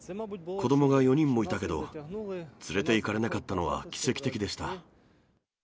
子どもが４人もいたけど、連れていかれなかったのは、奇跡的でした。